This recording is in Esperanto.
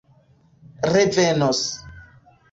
revenos